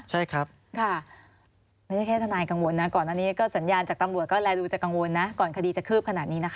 ใช่ครับค่ะไม่ใช่แค่ทนายกังวลนะก่อนอันนี้ก็สัญญาณจากตำรวจก็แลดูจะกังวลนะก่อนคดีจะคืบขนาดนี้นะคะ